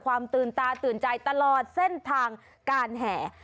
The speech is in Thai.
ความตื่นตาตื่นใจตลอดเส้นทางการแห่